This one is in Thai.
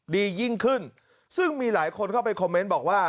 ดียิ่งขึ้นซึ่งมีหลายคนเข้าไปคอมเมนต์บอกว่า